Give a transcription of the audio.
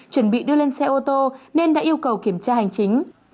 chuẩn bị đưa lên xe ô tô nên đã yêu cầu kiểm tra hành chính